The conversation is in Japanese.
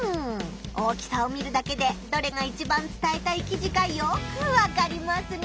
大きさを見るだけでどれがいちばん伝えたい記事かよくわかりますね！